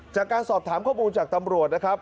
จากการสอบถามข้อมูลจากตำรวจนะครับ